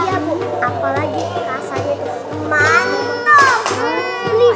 iya bu apalagi rasanya tuh mantap